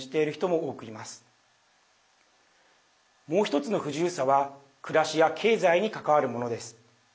もう１つの不自由さは暮らしや経済に関わるものです。